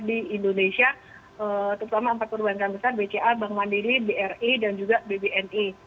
di indonesia terutama empat perbankan besar bca bank mandiri bri dan juga bbni